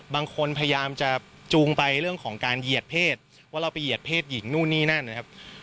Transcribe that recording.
พยายามจะจูงไปเรื่องของการเหยียดเพศว่าเราไปเหยียดเพศหญิงนู่นนี่นั่นนะครับ